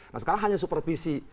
nah sekarang hanya supervisi